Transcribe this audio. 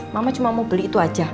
mama cuma mau beli itu aja